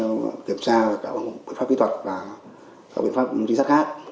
chúng tôi kiểm tra cả bệnh pháp kỹ thuật và cả bệnh pháp trinh sát khác